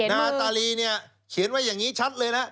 นาตาลีเนี่ยเขียนไว้อย่างนี้ชัดเลยนะ